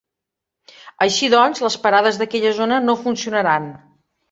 Així doncs, les parades d'aquella zona no funcionaran.